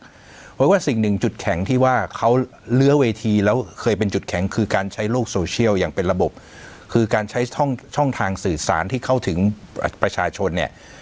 เพราะว่าสิ่งหนึ่งจุดแข็งที่ว่าเขาเลื้อเวทีแล้วเคยเป็นจุดแข็งคือการใช้โลกโซเชียลอย่างเป็นระบบคือการใช้ช่องช่องทางสื่อสารที่เข้าถึงประชาชนเนี่ย